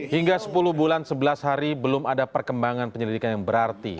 hingga sepuluh bulan sebelas hari belum ada perkembangan penyelidikan yang berarti